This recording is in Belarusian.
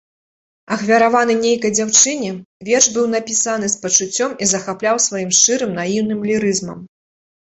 Ахвяраваны нейкай дзяўчыне, верш быў напісаны з пачуццём і захапляў сваім шчырым наіўным лірызмам.